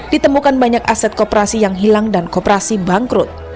ditemukan banyak aset koperasi yang hilang dan koperasi bangkrut